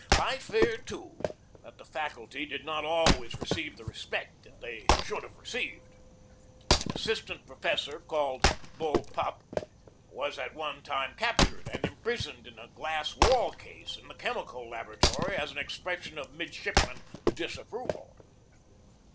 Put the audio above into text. I fear, too, that the fac ulty did not always receive the respect that they should have received. An assistant professor called "Bull Pup" was at one time captured and impris oned in a glass wall case in the chemical laboratory as an expression of midshipman disapproval.